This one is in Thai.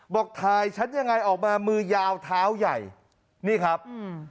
บอกถ่ายฉันยังไงออกมามือยาวเท้าใหญ่นี่ครับอืม